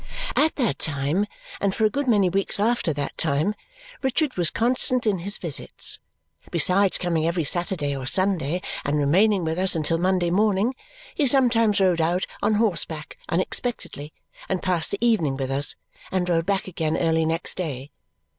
At that time, and for a good many weeks after that time, Richard was constant in his visits. Besides coming every Saturday or Sunday and remaining with us until Monday morning, he sometimes rode out on horseback unexpectedly and passed the evening with us and rode back again early next day.